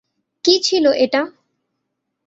কী ছিলো এটা!